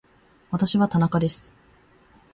私は田中です